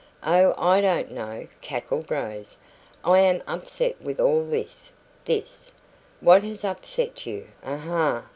"Oh, I don't know," cackled Rose. "I am upset with all this this " "What has upset you? Aha!